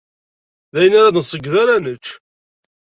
D ayen ara d-nṣeyyed ara nečč.